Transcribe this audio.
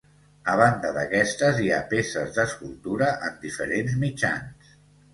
A banda d'aquestes hi ha peces d'escultura en diferents mitjans.